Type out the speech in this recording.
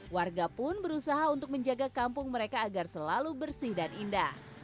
warga pun berusaha untuk menjaga kampung mereka agar selalu bersih dan indah